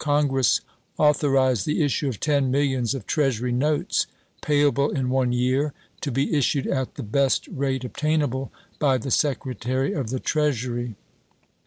Congress authorized the issue of ten millions of Treasury notes, payable in one year, to be issued at the best rate obtainable by the Secretary of the Treasury.